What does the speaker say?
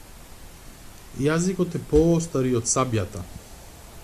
Јaзикoт е пoоcтap и oд caбjaтa.